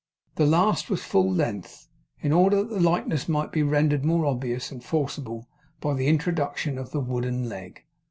The last was a full length, in order that the likeness might be rendered more obvious and forcible by the introduction of the wooden leg.